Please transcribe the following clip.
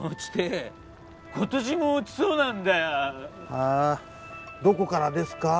ああどこからですか？